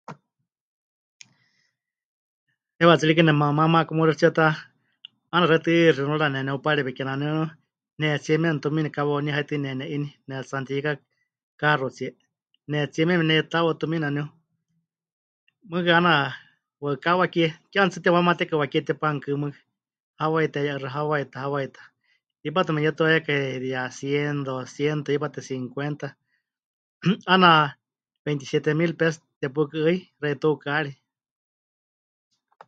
'Aana tsɨ rikɨ nemamá makamuríxɨtsie ta, 'aana xewítɨ xinuura neneupareewi kename waníu nehetsíe mieme tumiini kawauní haitɨ nene'ini, nehetsi'anutiyeka kaxutsie, nehetsíe mieme neitáwau tumiini waníu, mɨɨkɨ 'aana waɨkawa wakie, ke mɨ'ane tsɨ temɨwamatekai wakie tepanukɨ́ mɨɨkɨ, hawai teheye'axɨa, hawai ta, hawai ta, hipátɨ mepɨyetuayuakai de a 100, 200, hipátɨ 50, 'aana 27 mil pesos tepɨkɨ'ɨi xeitukaari.